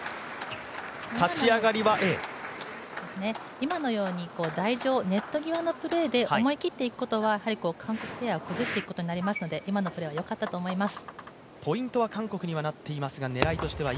今のように台上、ネット際のプレーで思い切っていくことは韓国ペアを崩していくことになりますので、今のプレーはよかったと思います。